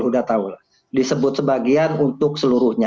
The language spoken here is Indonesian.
disebut sebagian untuk seluruhnya